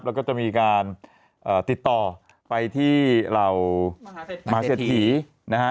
แล้วก็จะมีการติดต่อไปที่เหล่ามหาเศรษฐีนะฮะ